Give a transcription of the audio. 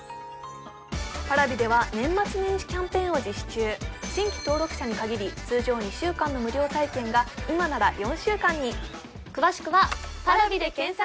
Ｐａｒａｖｉでは年末年始キャンペーンを実施中新規登録者に限り通常２週間の無料体験が今なら４週間に詳しくはパラビで検索